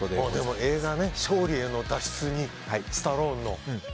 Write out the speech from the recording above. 映画「勝利への脱出」にスタローンのね。